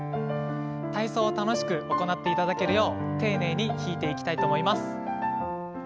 体操を楽しく行っていただけるよう丁寧に弾いていきたいと思います。